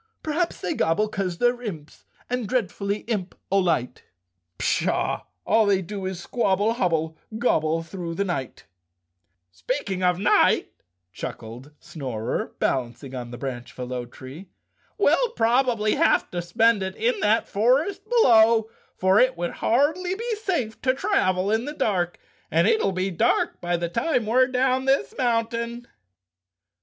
Perhaps they gobble 'cause they're imps — And dreadfully imp olite! Pshaw, all they do is squabble hobble, Gobble through the night 1 "" Speaking of night," chuckled Snorer, balancing on the branch of a low tree, " we'll probably have to spend it in that forest below, for it would hardly be safe to travel in the dark and it'll be dark by the time we're down this mountain.